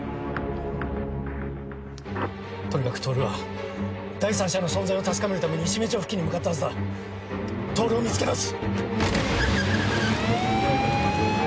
とにかく透は第三者の存在を確かめるために石目町付近に向かったはずだ透を見つけ出す！